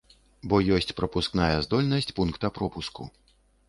Бо ёсць прапускная здольнасць пункта пропуску.